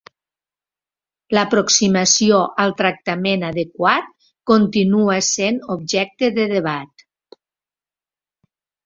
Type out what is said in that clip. L"aproximació al tractament adequat continua sent objecte de debat.